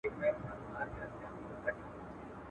چي په ښار او په مالت کي څه تیریږي!.